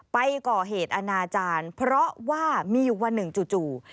ไปก่อเหตุอนาจารย์เพราะว่ามีอยู่วันหนึ่งจู่